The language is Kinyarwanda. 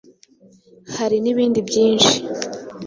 Hari n’ibindi byinshi